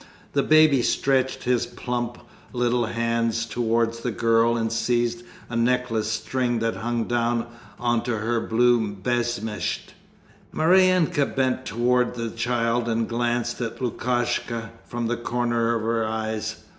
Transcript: The baby stretched his plump little hands towards the girl and seized a necklace string that hung down onto her blue beshmet. Maryanka bent towards the child and glanced at Lukashka from the corner of her eyes.